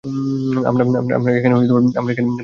আমরা এখানে পর্যটক নই!